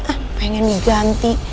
ah pengen diganti